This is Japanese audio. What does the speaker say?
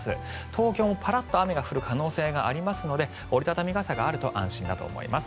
東京もパラッと雨が降る可能性がありますので折り畳み傘があると安心だと思います。